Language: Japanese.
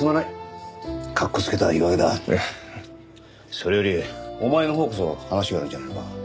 それよりお前のほうこそ話があるんじゃないのか？